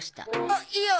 あっいや。